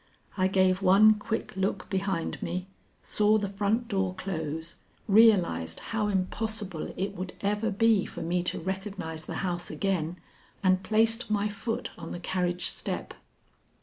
I gave one quick look behind me, saw the front door close, realized how impossible it would ever be for me to recognize the house again, and placed my foot on the carriage step.